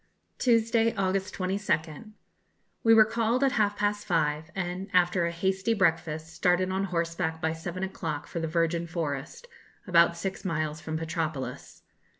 Tuesday, August 22nd. We were called at half past five, and, after a hasty breakfast, started on horseback by seven o'clock for the Virgin Forest, about six miles from Petropolis.